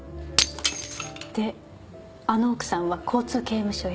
であの奥さんは交通刑務所へ？